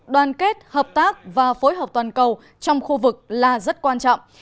đoàn kết hợp tác và phối hợp toàn cầu trong khu vực là rất quan trọng